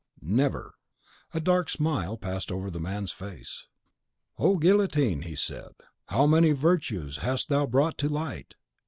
"Never!" A dark smile passed over the man's face. "O guillotine!" he said, "how many virtues hast thou brought to light!